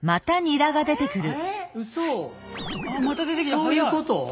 そういうこと？